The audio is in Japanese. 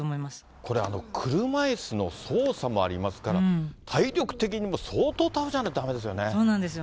これ、車いすの操作もありますから、体力的にも相当タフじゃないとだめですよね。